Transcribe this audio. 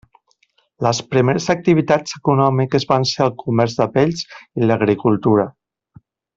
Les primeres activitats econòmiques van ser el comerç de pells i l'agricultura.